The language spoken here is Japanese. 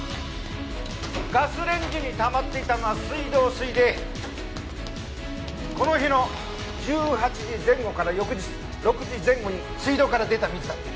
ガスレンジに溜まっていたのは水道水でこの日の１８時前後から翌日６時前後に水道から出た水だって。